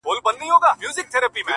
هغه به چاسره خبري کوي.